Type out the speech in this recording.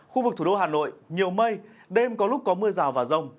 khu vực thủ đô hà nội nhiều mây đêm có lúc có mưa rào và rông